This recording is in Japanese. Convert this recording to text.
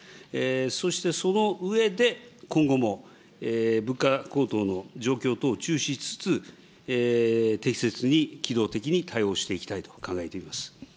そしてその上で、今後も物価高騰の状況等を注視しつつ、適切に機動的に対応していきたいと考えています。